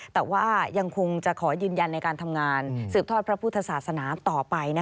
แต่ว่ายังคงจะขอยืนยันในการทำงานสืบทอดพระพุทธศาสนาต่อไป